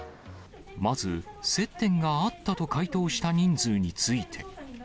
まず、接点があったと回答した人数について。